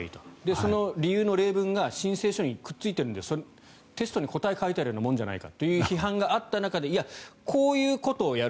その理由の例文が申請書にくっついているのでテストに答えが書いてあるようなものじゃないかという批判があった中でこういうことをやる。